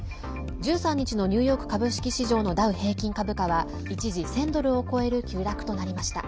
１３日のニューヨーク株式市場のダウ平均株価は一時１０００ドルを超える急落となりました。